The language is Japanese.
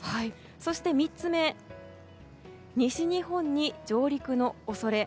そして、３つ目西日本に上陸の恐れ。